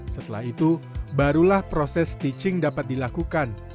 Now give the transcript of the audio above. setelah itu barulah proses stitching dapat dilakukan